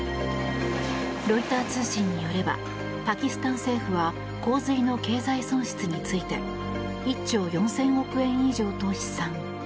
ロイター通信によればパキスタン政府は洪水の経済損失について１兆４０００億円以上と試算。